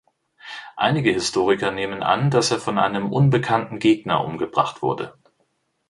Einige Historiker nehmen an, dass er von einem unbekannten Gegner umgebracht wurde.